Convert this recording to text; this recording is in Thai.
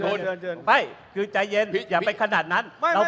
คุณจิลายุเขาบอกว่ามันควรทำงานร่วมกัน